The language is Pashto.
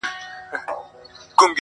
زړه قلا-